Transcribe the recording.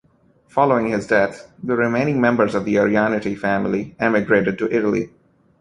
Following his death the remaining members of the Arianiti family emigrated to Italy.